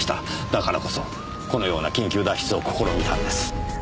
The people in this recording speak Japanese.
だからこそこのような緊急脱出を試みたんです。